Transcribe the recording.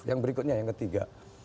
yang berikutnya yang ketiga